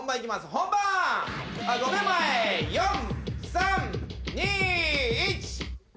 本番５秒前」「４３２１」